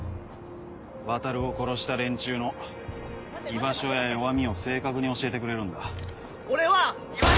渉を殺した連中の居場所や弱みを正確に教えてくれるんだ。